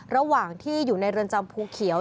ระหว่างที่อยู่ในเรือนจำภูเขียว